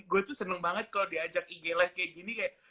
gue tuh seneng banget kalau diajak ig life kayak gini kayak